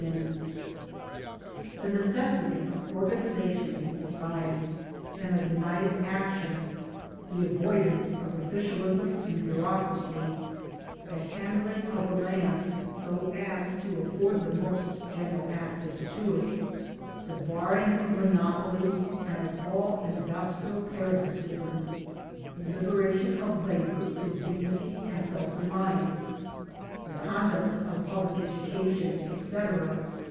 SHEFFIELD AND SOCIALISM 127 The necessity of organization in society, and of united action, the avoidance of officialism and bureaucracy, the handling of the land so as to afford the most general access to it, the barring of monopolies and of all industrial parasitism, the liberation of labour to dignity and self reliance, the conduct of public ownership^, the questions of taxation, representation, education, etc.